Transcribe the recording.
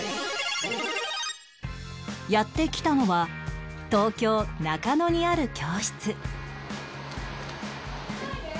やって来たのは東京中野にある教室